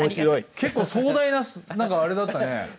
結構壮大な何かあれだったね。